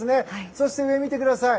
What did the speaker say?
そして上を見てください。